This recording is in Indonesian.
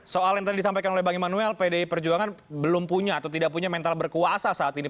soal yang tadi disampaikan oleh bang immanuel pdi perjuangan belum punya atau tidak punya mental berkuasa saat ini